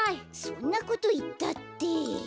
そんなこといったって。